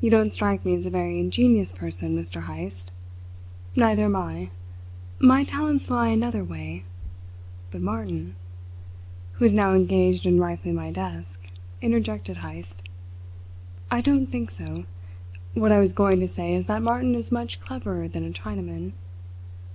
You don't strike me as a very ingenious person, Mr. Heyst. Neither am I. My talents lie another way. But Martin " "Who is now engaged in rifling my desk," interjected Heyst. "I don't think so. What I was going to say is that Martin is much cleverer than a Chinaman.